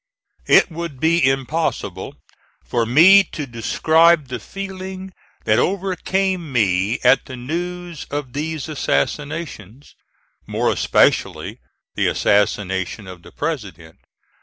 It would be impossible for me to describe the feeling that overcame me at the news of these assassinations, more especially the assassination of the President.